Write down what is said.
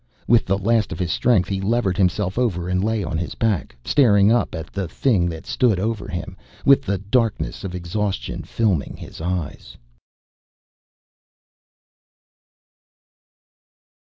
With the last of his strength he levered himself over and lay on his back, staring up at the thing that stood over him, with the darkness of exhaustion filming his eyes.